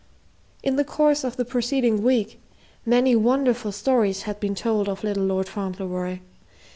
In the course of the preceding week, many wonderful stories had been told of little Lord Fauntleroy.